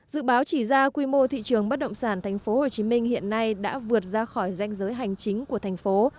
dự báo chỉ ra quy mô thị trường bất động sản tp hcm hiện nay đã vượt ra khỏi danh giới hành chính của thành phố